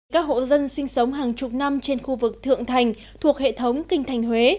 các hộ dân sinh sống hàng chục năm trên khu vực thượng thành thuộc hệ thống kinh thành huế